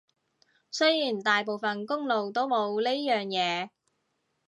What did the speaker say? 雖然大部分公路都冇呢樣嘢